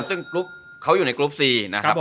ซึ่งเขาอยู่ในกลุ่มสี่นะครับ